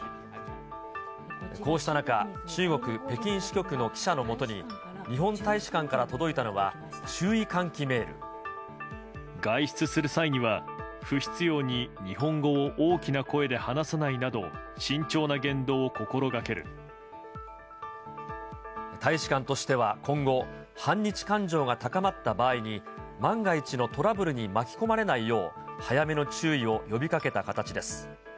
こうした中、中国北京支局の記者のもとに、日本大使館から届いたのは、外出する際には、不必要に日本語を大きな声で話さないなど、大使館としては今後、反日感情が高まった場合に、万が一のトラブルに巻き込まれないよう、早めの注意を呼びかけた形です。